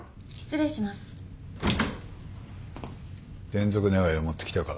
転属願を持ってきたか。